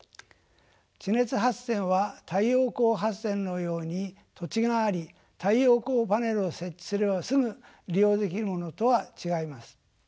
地熱発電は太陽光発電のように土地があり太陽光パネルを設置すればすぐ利用できるものとは違います。